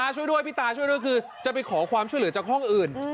ช่วยด้วยพี่ตาช่วยด้วยคือจะไปขอความช่วยเหลือจากห้องอื่น